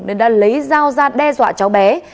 nên đã lấy dao ra đe dọa cháu bé